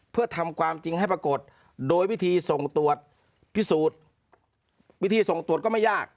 เพื่อทำความจริงให้ปรากฏโดยวิธีส่งตรวจพิสูจน์วิธีส่งตรวจก็ไม่ยาก